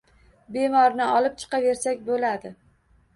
Bemorni olib chiqaversak bo`ladi